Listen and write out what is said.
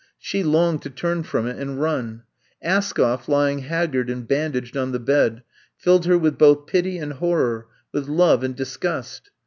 She longed to turn from it and run. Askoff, lying haggard and bandaged on the bed, filled her with both pity and horror, with love and disgust.